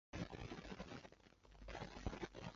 杂斑扁尾鲀为鲀科扁尾鲀属的鱼类。